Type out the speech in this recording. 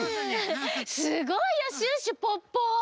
すごいよシュッシュポッポ！